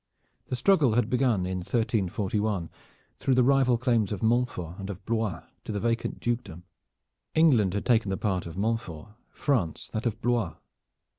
The struggle had begun in 1341 through the rival claims of Montfort and of Blois to the vacant dukedom. England had taken the part of Montfort, France that of Blois.